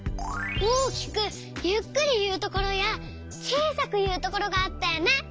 大きくゆっくりいうところやちいさくいうところがあったよね。